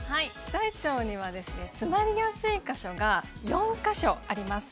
大腸には詰まりやすい箇所が４か所あります。